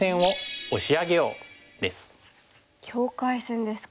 境界線ですか。